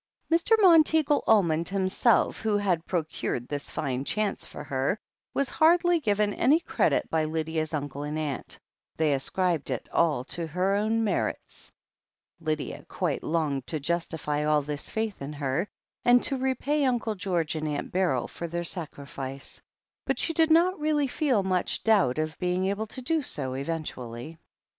THE HEEL OF ACHILLES 97 Mr. Monteagle Almond himself, who had procured this fine chance for her, was hardly given any credit by Lydia's uncle and aunt They ascribed it all to her own merits. Lydia quite longed to justify all this faith in her, and to repay Uncle George and Aunt Beryl for their sacrifice. But she did not really feel much doubt of being able to do so eventually.